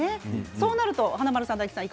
そうなると華丸さん大吉さん